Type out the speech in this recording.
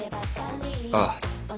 ああ。